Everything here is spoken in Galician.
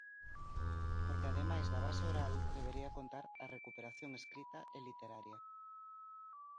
Porque ademais da base oral debería contar a recuperación escrita e literaria.